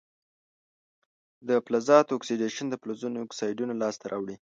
د فلزونو اکسیدیشن د فلزونو اکسایدونه لاسته راوړي.